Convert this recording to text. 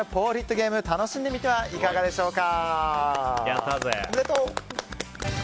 ゲーム楽しんでみてはいかがでしょうか。